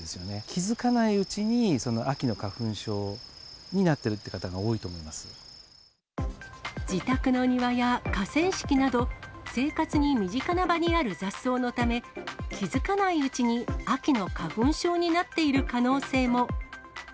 気付かないうちに、秋の花粉症になってるっていう方が多いと思い自宅の庭や河川敷など、生活に身近な場にある雑草のため、気付かないうちに秋の花粉症になっている可能性も。